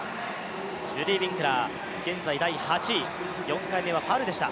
ルディー・ウィンクラー、現在第８位、４回目はファウルでした。